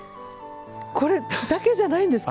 これ、竹じゃないんですか？